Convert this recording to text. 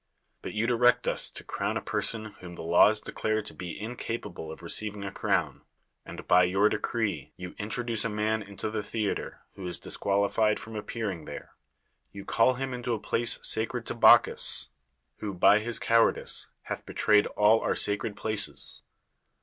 But you direct us to crown a person whom the laws declare to be incapable of receiving a crown; and by your decree you introduce a man into the theater who is dis qualified from appearing there; you call him into a place saci ed to Bacchus, who, ])y his cowardice, hath betrayed all our sacred places.